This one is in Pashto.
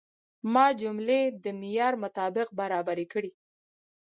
ما جملې د معیار مطابق برابرې کړې.